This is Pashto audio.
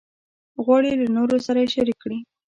غواړي له نورو سره یې شریک کړي.